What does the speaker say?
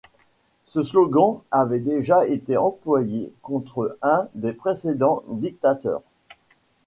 Ce slogan avait déjà été employé contre un des précédents dictateurs.